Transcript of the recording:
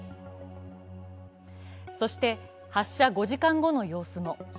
そして、発射５時間後の様子も。